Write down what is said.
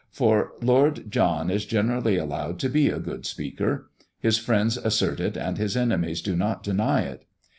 For Lord John is generally allowed to be a good speaker; his friends assert it, and his enemies do not deny it.